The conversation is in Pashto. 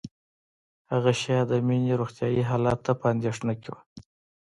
هغه شاید د مينې روغتیايي حالت ته په اندېښنه کې وه